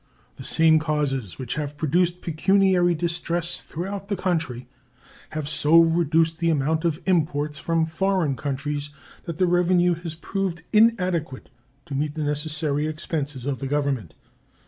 The same causes which have produced pecuniary distress throughout the country have so reduced the amount of imports from foreign countries that the revenue has proved inadequate to meet the necessary expenses of the Government.